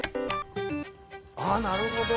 あっなるほど！